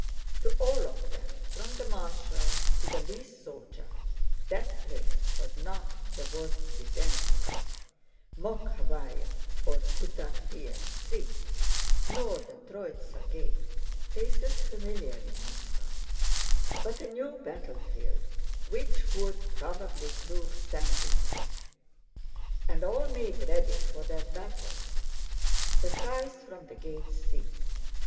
To all of them from the marshal to the least soldier, that place was not the Vozdvízhenka, Mokhaváya, or Kutáfyev Street, nor the Tróitsa Gate (places familiar in Moscow), but a new battlefield which would probably prove sanguinary. And all made ready for that battle. The cries from the gates ceased.